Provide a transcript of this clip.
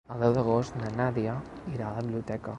El deu d'agost na Nàdia irà a la biblioteca.